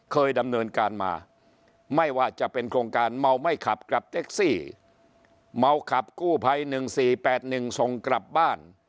เคยดำเนินการมาไม่ว่าจะเป็นโครงการเมาไม่ขับกับเต็กซี่เมาขับกู้ไภหนึ่งสี่แปดหนึ่งส่งกลับบ้าน